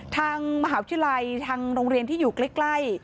ทางมหาวิทยาลัยทางโรงเรียนที่อยู่ใกล้